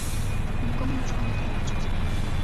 Нікому нічога не тлумачаць.